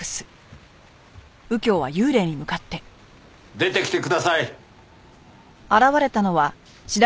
出てきてください。